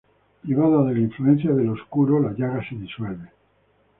Privada de la influencia del Oscuro, La Llaga se disuelve.